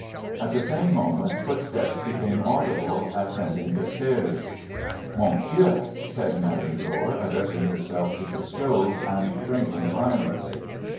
At the same moment, footsteps became audible ascending the stairs. ' Mon Dieu !' said Madame Dor, addressing herself to the stove, and trembling violently.